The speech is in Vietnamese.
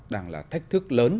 đang là thách thức lớn